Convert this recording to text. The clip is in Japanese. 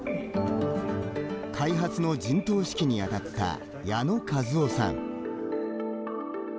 開発の陣頭指揮にあたった矢野和男さん。